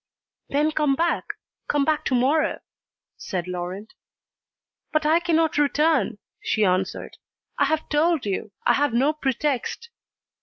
"Then come back, come back to morrow," said Laurent. "But I cannot return," she answered. "I have told you. I have no pretext."